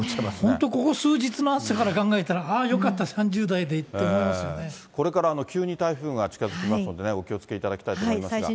本当、ここ数日の暑さから考えたら、ああ、よかった、これから急に台風が近づきますのでね、お気をつけいただきたいと思いますが。